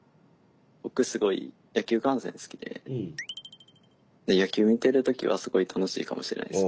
僕すごい野球観戦好きで野球見てる時はすごい楽しいかもしれないですね。